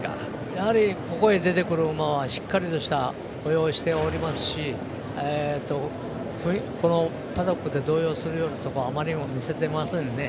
やはり、ここへ出てくる馬はしっかりとした歩様をしておりますしパドックで動揺するようなところもあまり見せていませんね。